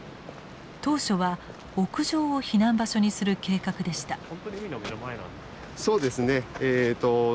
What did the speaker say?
当初は屋上を避難場所にする計画でした。